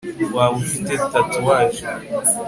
waba ufite tatouage